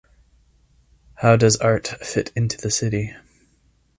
How does art fit into the city?